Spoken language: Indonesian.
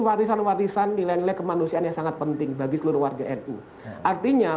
warisan warisan nilai nilai kemanusiaan yang sangat penting bagi seluruh warga nu artinya